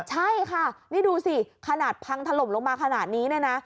ใช่ค่ะนี่ดูสิขนาดพังถล่มลงมาขนาดนี้เนี่ยนะ